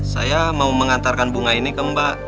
saya mau mengantarkan bunga ini ke mbak